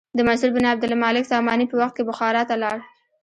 د منصور بن عبدالمالک ساماني په وخت کې بخارا ته لاړ.